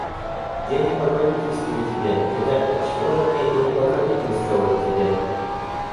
Я не покровительствую тебе... Хотя отчего же мне и не покровительствовать тебе?